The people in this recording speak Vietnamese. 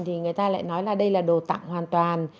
thì người ta lại nói là đây là đồ tặng hoàn toàn